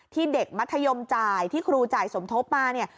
เด็กมัธยมจ่ายที่ครูจ่ายสมทบมาเนี่ย